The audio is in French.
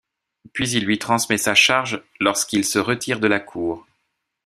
Puis il lui transmet sa charge lors qu'il se retire de la cour.